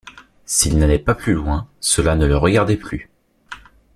S’il n’allait pas plus loin, cela ne le regardait plus.